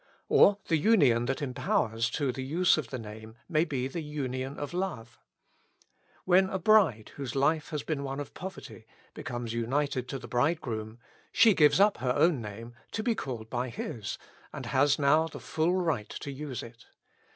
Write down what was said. i Or the union that empowers to the use of the name may be the union of love. When a bride whose life has been one of poverty, becomes united to the bride groom, she gives up her own name, to be called by his, and has now the full right to use it.